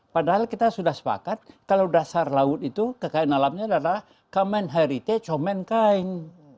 padahal kita sudah sepakat kalau dasar laut itu kekayaan alamnya adalah common heritage of man kain